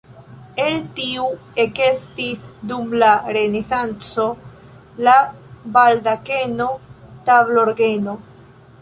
El tiu ekestis dum la renesanco la baldakeno-tablorgeno.